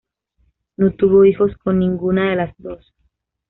No tuvo hijos con ninguna de las dos.